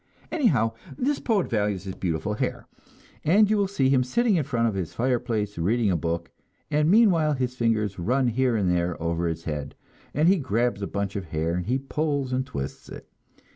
Anyhow, this poet values his beautiful hair, and you will see him sitting in front of his fireplace, reading a book, and meanwhile his fingers run here and there over his head, and he grabs a bunch of hair and pulls and twists it.